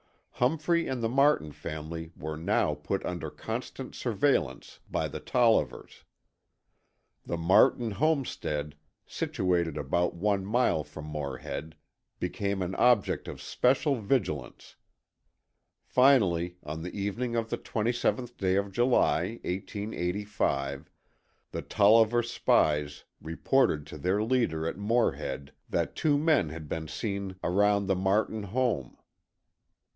Humphrey and the Martin family were now put under constant surveillance by the Tollivers. The Martin homestead, situated about one mile from Morehead, became an object of special vigilance. Finally, on the evening of the 27th day of July, 1885, the Tolliver spies reported to their leader at Morehead that two men had been seen around the Martin home.